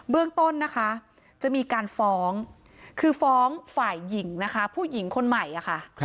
เรื่องต้นนะคะจะมีการฟ้องคือฟ้องฝ่ายหญิงนะคะผู้หญิงคนใหม่ค่ะ